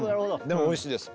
でもおいしいです。